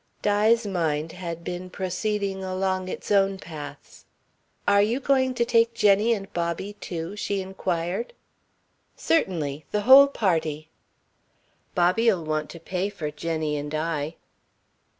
Di's mind had been proceeding along its own paths. "Are you going to take Jenny and Bobby too?" she inquired. "Certainly. The whole party." "Bobby'll want to pay for Jenny and I."